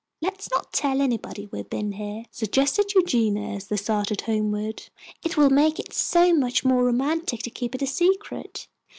"Let's not tell anybody we've been here," suggested Eugenia as they started homeward. "It will make it so much more romantic, to keep it a secret.